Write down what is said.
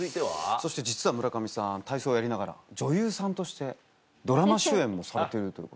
そして実は村上さん体操をやりながら女優さんとしてドラマ主演もされてるということで。